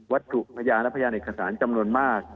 ถูกพยานและพยานเอกสารจำนวนมาก